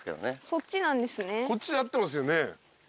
こっちで合ってますよね？